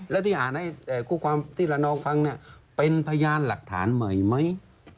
แล้วที่อ่านให้คู่ความที่ละนองฟังเป็นพยานหลักฐานใหม่ไหม